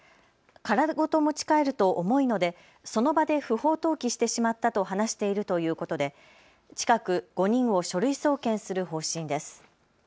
殻ごと持ち帰ると重いのでその場で不法投棄してしまったと話しているということで近く５人を書類送検する方針です。